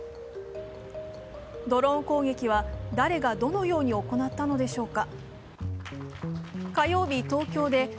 ドローン攻撃は誰がどのように行ったのでしょうか。